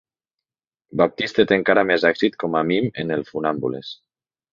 Baptiste té encara més èxit com a mim en el Funambules.